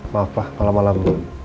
maaf pa malam malam